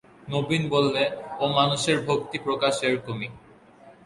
নবীন বললে, ও-মানুষের ভক্তির প্রকাশ ঐরকমই।